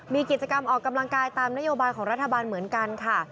มีกิจกรรมออกกำลังกายตามนโยบายของรัฐบาลเหมือนกันค่ะ